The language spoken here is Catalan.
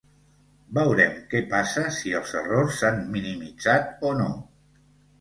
Veurem què passa, si els errors s’han minimitzat o no.